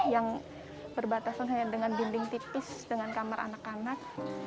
yang berbatasan hanya dengan dinding tipis dengan kamar anak anak